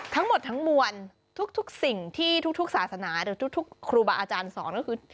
ทั้งหมดทั้งมวลทุกสิ่งที่ทุกศาสนาหรือทุกครูบาอาจารย์สอนก็คือ